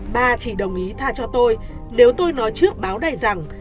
ba chỉ đồng ý tha cho tôi nếu tôi nói trước báo đài rằng